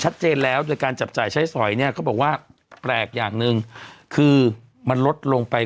ชัดเจนแล้วโดยการจับจ่ายใช้สอยเนี่ยเขาบอกว่าแปลกอย่างหนึ่งคือมันลดลงไป